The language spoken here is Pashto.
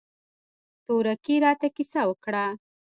تورکي راته کيسه وکړه.